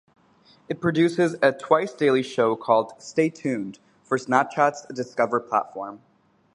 It produces a twice-daily show called "Stay Tuned" for Snapchat's Discover platform.